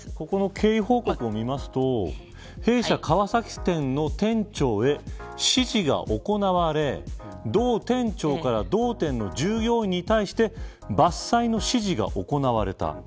経緯報告を見ますと弊社、川崎店の店長へ指示が行われ同店長から同店の従業員に対して伐採の指示が行われた。